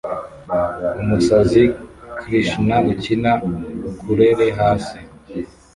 Umusazi krishna ukina ukulele hasi